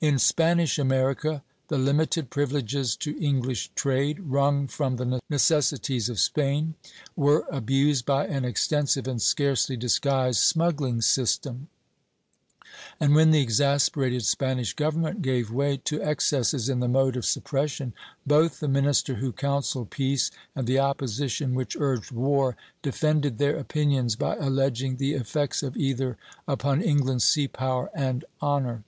In Spanish America, the limited privileges to English trade, wrung from the necessities of Spain, were abused by an extensive and scarcely disguised smuggling system; and when the exasperated Spanish government gave way to excesses in the mode of suppression, both the minister who counselled peace and the opposition which urged war defended their opinions by alleging the effects of either upon England's sea power and honor.